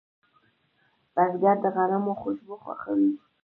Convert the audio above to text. بزګر د غنمو خوشبو خوښوي